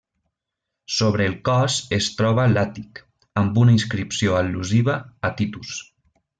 Sobre el cos es troba l'àtic, amb una inscripció al·lusiva a Titus.